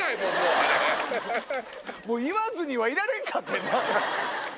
言わずにはいられんかってんな。